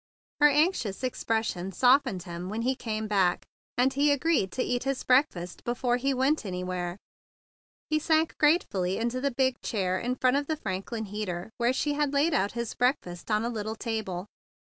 Her anxious expression softened him when he came back, and he agreed to eat his breakfast before he went any¬ where, and sank gratefully into the big chair in front of the Franklin heater, where she had laid out his breakfast on a little table.